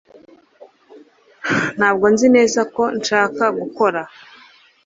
Ntabwo nzi neza ko nshaka gukoraho